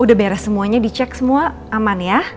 udah beres semuanya dicek semua aman ya